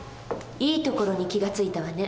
いいところに気が付いたわね。